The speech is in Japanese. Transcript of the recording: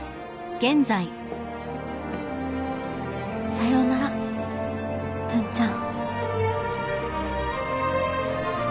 さようなら文ちゃん。